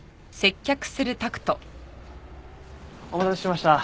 お待たせしました。